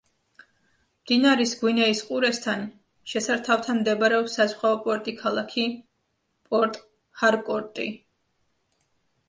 მდინარის გვინეის ყურესთან შესართავთან მდებარეობს საზღვაო პორტი ქალაქი პორტ-ჰარკორტი.